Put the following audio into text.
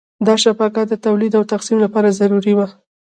دا شبکه د تولید او تقسیم لپاره ضروري وه.